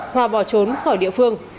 hòa bỏ trốn khỏi địa phương